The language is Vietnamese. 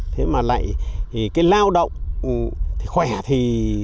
thế mà lại thì cái lao động thì khỏe thì